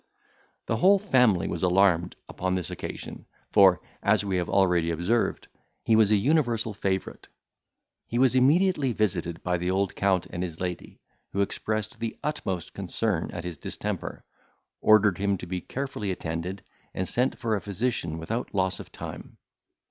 The whole family was alarmed upon this occasion; for, as we have already observed, he was an universal favourite. He was immediately visited by the old Count and his lady, who expressed the utmost concern at his distemper, ordered him to be carefully attended, and sent for a physician without loss of time.